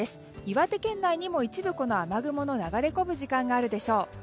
岩手県内にも一部、雨雲の流れ込む時間があるでしょう。